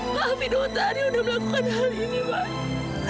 maafin otahari udah melakukan hal ini mas